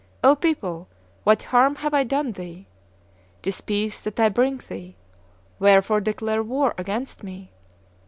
O people, what harm have I done thee? 'Tis peace that I bring thee; wherefore declare war against me?